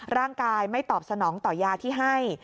ร่างกายไม่ตอบสนองต่อยาที่ให้